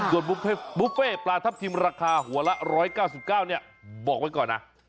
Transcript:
ส่วนบุฟเฟ่ปลาทับทิมราคาหัวละ๑๙๙เนี่ยบอกไว้ก่อนนะ